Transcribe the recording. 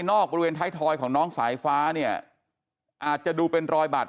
อกบริเวณท้ายทอยของน้องสายฟ้าเนี่ยอาจจะดูเป็นรอยบัตร